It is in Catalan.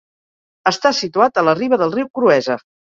Està situat a la riba del riu Cruesa.